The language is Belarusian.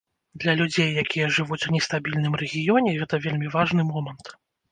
Для людзей, якія жывуць у нестабільным рэгіёне, гэта вельмі важны момант.